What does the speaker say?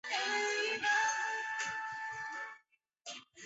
范讽在青州不超过一年就被召还。